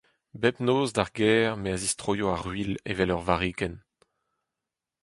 Bep noz d'ar gêr me a zistroio a-ruilh evel ur varrikenn.